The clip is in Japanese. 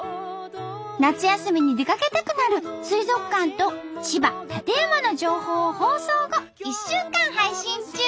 夏休みに出かけたくなる水族館と千葉館山の情報を放送後１週間配信中！